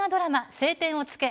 「青天を衝け」。